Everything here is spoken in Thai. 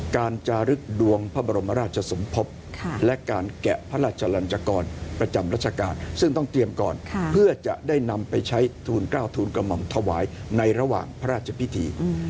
การจารึกดวงพระบรมราชสมภพและการแกะพระราชลันจกรประจำราชการซึ่งต้องเตรียมก่อนเพื่อจะได้นำไปใช้ทูล๙ทูลกระหม่อมถวายในระหว่างพระราชพิธี